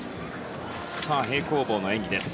平行棒の演技です。